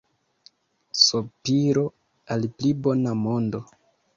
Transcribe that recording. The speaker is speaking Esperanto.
Sopiro al pli bona mondo.